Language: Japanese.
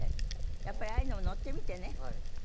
やっぱりああいうのも乗ってみてねああ